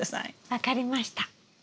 分かりました。